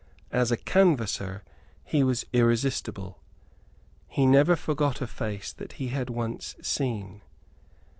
As a canvasser he was irresistible. He never forgot a face that he had once seen.